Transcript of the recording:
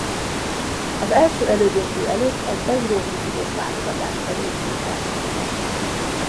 Az első elődöntő előtt egy eurovíziós válogatás került képernyőre.